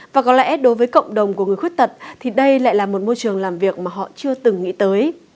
và có lẽ đối với cộng đồng của người khuyết tật thì đây lại là một môi trường làm việc mà họ chưa từng nghĩ tới